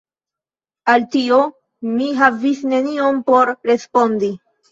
Al tio, mi havis nenion por respondi.